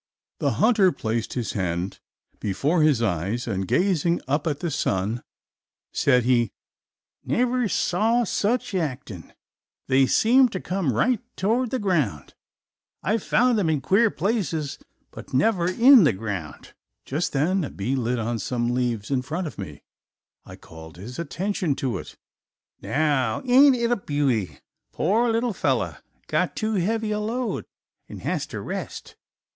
The hunter placed his hand before his eyes and gazing up at the sun said he "never saw sich actin'; they seem to come right toward the ground. I have found 'em in queer places but never in the ground." Just then a bee lit on some leaves in front of me. I called his attention to it. "Now ain't it a beauty? Poor little fellow; got too heavy a load an' has to rest.